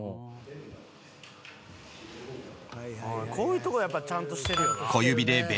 「こういうとこやっぱちゃんとしてるよな」